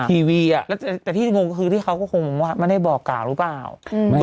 ทีวีอ่ะแล้วแต่ที่งงก็คือที่เขาก็คงว่าไม่ได้บอกกล่าวหรือเปล่า